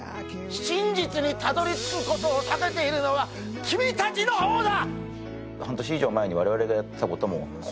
真実にたどり着くことを避けているのは君たちのほうだ！